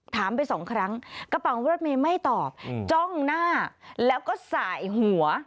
ไปสองครั้งกระเป๋ารถเมย์ไม่ตอบจ้องหน้าแล้วก็สายหัว